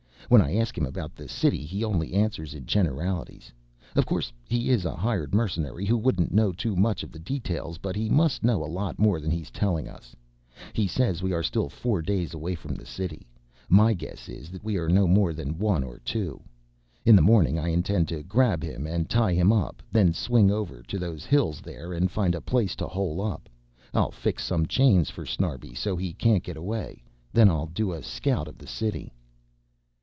When I ask him about the city he only answers in generalities. Of course he is a hired mercenary who wouldn't know too much of the details, but he must know a lot more than he is telling us. He says we are still four days away from the city. My guess is that we are no more than one or two. In the morning I intend to grab him and tie him up, then swing over to those hills there and find a place to hole up. I'll fix some chains for Snarbi so he can't get away, then I'll do a scout of the city...."